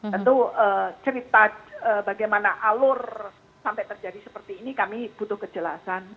tentu cerita bagaimana alur sampai terjadi seperti ini kami butuh kejelasan